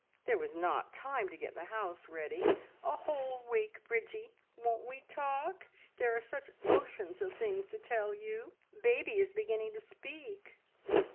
There was not time to get the house ready. A whole week, Bridgie! Won't we talk! There are such oceans of things to tell you. Baby is beginning to speak!"